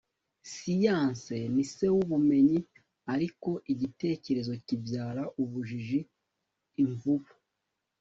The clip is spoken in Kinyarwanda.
siyanse ni se w'ubumenyi, ariko igitekerezo kibyara ubujiji. - imvubu